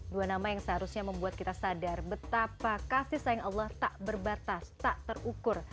dua nama yang seharusnya membuat kita sadar betapa kasih sayang allah tak berbatas tak terukur